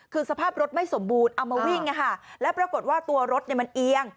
คือสภาพรถไม่สมบูรณ์เอามาวิ่งแล้วปรากฏว่าตัวรถมันเอียง